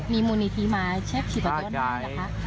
มีมูลนิธิมาเช็บชีพจรไหมละคะ